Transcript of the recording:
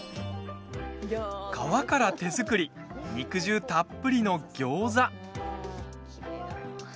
皮から手作り肉汁たっぷりのギョーザ。